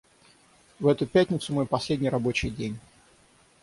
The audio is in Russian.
В эту пятницу мой последний рабочий день.